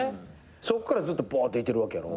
そっからずっとボーッ！といってるわけやろ？